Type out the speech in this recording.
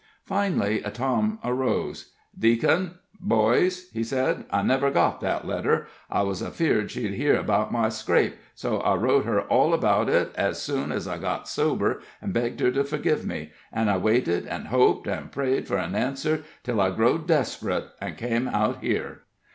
Finally, Tom arose. "Deacon boys," he said, "I never got that letter. I wus afeard she'd hear about my scrape, so I wrote her all about it, ez soon ez I got sober, an' begged her to forgive me. An' I waited an' hoped an' prayed for an answer, till I growed desperate; an' came out here."